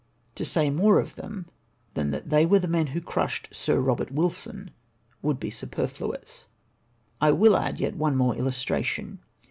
To say more of them, than that they were the men who crushed Sir Eobert Wilson, would be superfluous, I will add yet one more illustration.